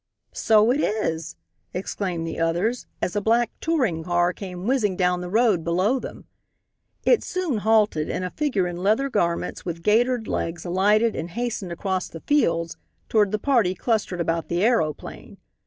"So it is," exclaimed the others, as a black touring car came whizzing down the road below them. It soon halted, and a figure in leather garments with gaitered legs alighted and hastened across the fields toward the party clustered about the aeroplane.